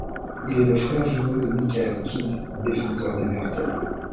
Il est le frère jumeau de Michael Keane, défenseur d'Everton.